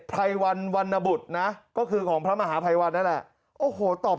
ไพรวันวันนบุตรนะก็คือของพระมหาภัยวันนั่นแหละโอ้โหตอบ